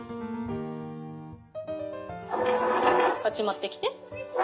こっち持ってきて。